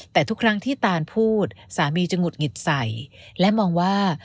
แต่ทุกครั้งที่ตานพูดสามีจะหงุดหงิดใส่และมองว่า